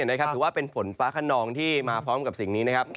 ถือว่าเป็นฝนฟ้าขนองที่มาพร้อมกับสิ่งนี้นะครับ